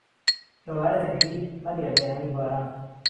ئێواره تهکبیر، مهگره، بهیانی باران